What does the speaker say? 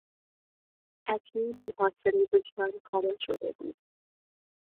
اکنون محاصرهی دشمن کامل شده بود.